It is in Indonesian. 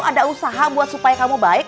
ada usaha buat supaya kamu baik